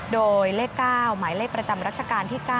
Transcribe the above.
โดยเลข๙หมายเลขประจำรัชกาลที่๙